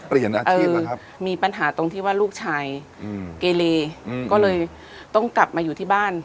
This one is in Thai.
เออมีปัญหาตรงที่ว่าลูกชายเกลลีก็เลยต้องกลับมาอยู่ที่บ้าน